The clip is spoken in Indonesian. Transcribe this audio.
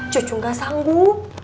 cucu gak sanggup